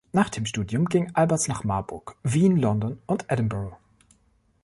Nach dem Studium ging Albers nach Marburg, Wien, London und Edinburgh.